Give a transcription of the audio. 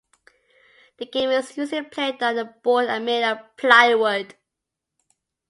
The game is usually played on a board made of plywood.